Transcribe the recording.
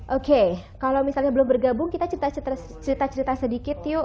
oke kalau misalnya belum bergabung kita cerita cerita sedikit yuk